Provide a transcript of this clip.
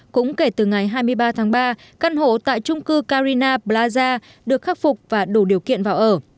cũng kể từ ngày hai mươi ba tháng ba căn hộ tại trung cư carina plaza được khắc phục và đủ điều kiện vào ở